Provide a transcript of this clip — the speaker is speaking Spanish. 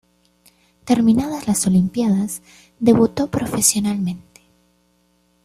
Terminadas las Olimpiadas, debutó profesionalmente.